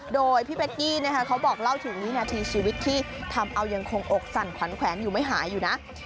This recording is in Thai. โดยพี่เป๊กกี้เขาบอกเล่าถึงวินาทีชีวิตที่ทำเอายังคงอกสั่นขวัญแขวนอยู่ไม่หายอยู่นะ